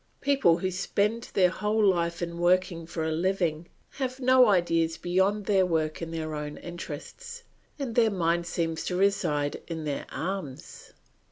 People who spend their whole life in working for a living have no ideas beyond their work and their own interests, and their mind seems to reside in their arms.